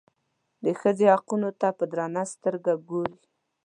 د ښځې حقونو ته په درنه سترګه وګوري.